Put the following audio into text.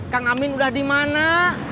kang amin udah di mana